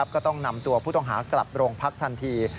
ก็ต้องนำตัวผู้ต้องหากลับโรงพักทันที